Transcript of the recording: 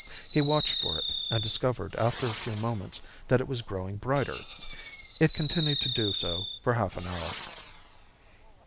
He watched for it, and discovered after a few moments that it was growing brighter. It continued to do so for half an hour.